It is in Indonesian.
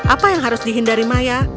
apa yang harus dihindari maya